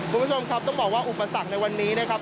คุณผู้ชมครับต้องบอกว่าอุปสรรคในวันนี้นะครับ